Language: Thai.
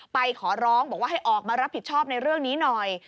ไปขอร้องบอกว่าให้ออกมารับผิดชอบในเรื่องนี้หน่อย